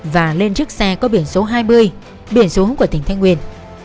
và lên chiếc xe có biển số hai mươi biển số húng của tỉnh thái nguyên